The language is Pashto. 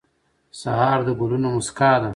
سهار د ګلونو موسکا ده.